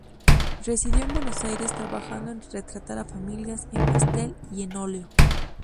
Residió en Buenos Aires, trabajando en retratar a familias, en pastel y en óleo.